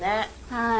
はい。